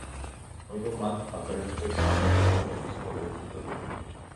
ამიტომ მათ აგრეთვე, „სამოძღვრო ეპისტოლეებს“ უწოდებენ.